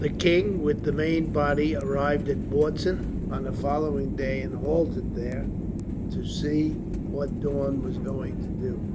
The king with the main body arrived at Bautzen on the following day, and halted there, to see what Daun was going to do.